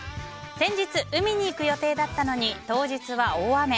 先日、海に行く予定だったのに当日は大雨。